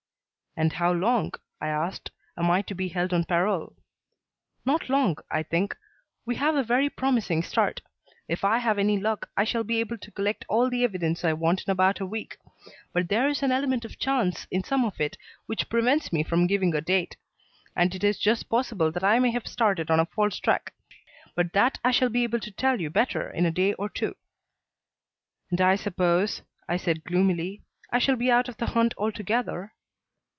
"And how long," I asked, "am I to be held on parole?" "Not long, I think. We have a very promising start. If I have any luck, I shall be able to collect all the evidence I want in about a week. But there is an element of chance in some of it which prevents me from giving a date. And it is just possible that I may have started on a false track. But that I shall be able to tell you better in a day or two." "And I suppose," I said gloomily, "I shall be out of the hunt altogether?"